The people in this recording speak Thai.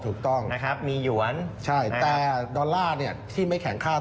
ถูกต้องนะครับมีหยวนนะครับใช่แต่ดอลลาร์ที่ไม่แข็งค่า